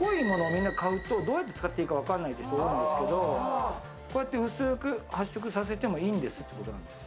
みんな買うと、どうやって使っていいか分からないときがあるんですけどこうやって薄く発色させてもいいってす。